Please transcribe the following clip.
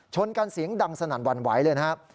ชนกันเสียงดังสนั่นหวั่นไหวเลยนะครับ